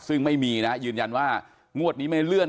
ซึ่งไม่มีนะยืนยันว่างวดนี้ไม่เลื่อน